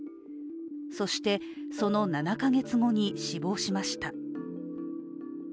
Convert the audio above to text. そしてその７か月後に死亡しました。